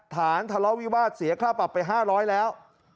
ฐานทะเลาะวิวาสเสียค่าปรับไป๕๐๐แล้ว